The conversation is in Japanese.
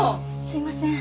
すいません。